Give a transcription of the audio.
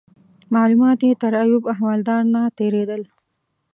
معلومات یې تر ایوب احوالدار نه تیرېدل.